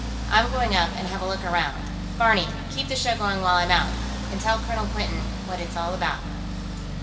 I'm going up and have a look around. Barney, keep the show going while I'm out, and tell Colonel Quinton what it's all about."